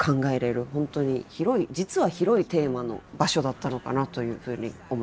本当に広い実は広いテーマの場所だったのかなというふうに思いました。